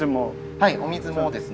はいお水もですね